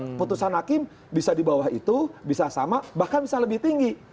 nanti kan putusan hakim bisa di bawah itu bisa sama bahkan bisa lebih tinggi